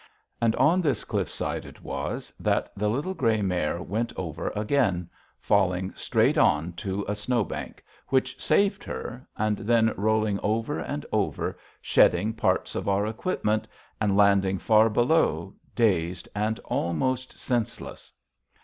And on this cliffside it was that the little gray mare went over again, falling straight on to a snow bank, which saved her, and then rolling over and over shedding parts of our equipment, and landing far below dazed and almost senseless.